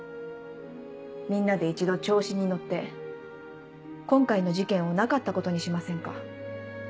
みんなで一度調子に乗って今回の事件をなかったことにしませんか？